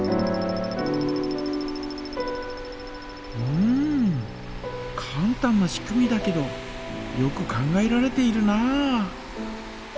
うんかん単な仕組みだけどよく考えられているなあ。